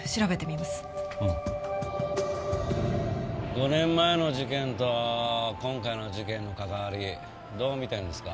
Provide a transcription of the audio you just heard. ５年前の事件と今回の事件の関わりどう見てるんですか？